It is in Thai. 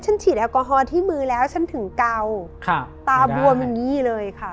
ฉีดแอลกอฮอลที่มือแล้วฉันถึงเก่าตาบวมอย่างนี้เลยค่ะ